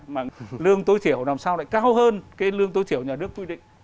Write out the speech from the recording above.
mà lương tối thiểu làm sao lại cao hơn cái lương tối thiểu nhà nước quy định